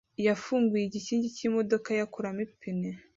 yafunguye igikingi cy'imodoka ye akuramo ipine.